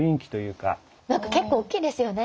なんか結構おっきいですよね。